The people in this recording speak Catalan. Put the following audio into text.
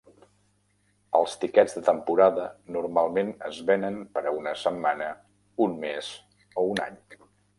Els tiquets de temporada normalment es venen per a una setmana, un mes o un any.